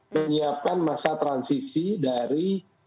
menyiapkan masa transisi dari